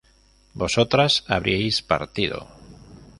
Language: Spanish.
vosotras habríais partido